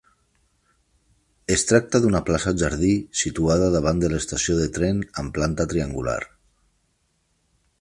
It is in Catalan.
Es tracta d'una plaça jardí situada davant de l'estació de tren amb planta triangular.